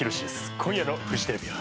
今夜のフジテレビは。